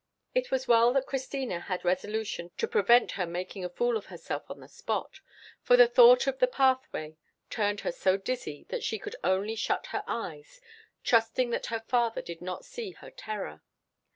It was well that Christina had resolution to prevent her making a fool of herself on the spot, for the thought of the pathway turned her so dizzy that she could only shut her eyes, trusting that her father did not see her terror.